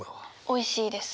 おいしいです。